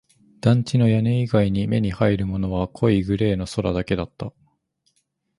団地の屋根以外に目に入るものは濃いグレーの空だけだった